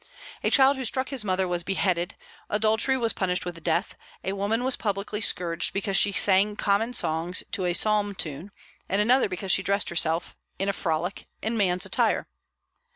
A child who struck his mother was beheaded; adultery was punished with death; a woman was publicly scourged because she sang common songs to a psalm tune; and another because she dressed herself, in a frolic, in man's attire.